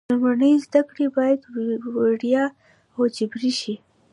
لومړنۍ زده کړې باید وړیا او جبري شي.